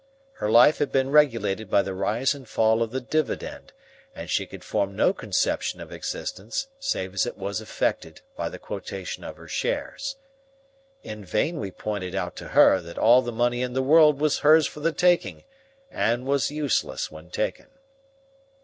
Her life had been regulated by the rise and fall of the dividend, and she could form no conception of existence save as it was affected by the quotation of her shares. In vain we pointed out to her that all the money in the world was hers for the taking and was useless when taken.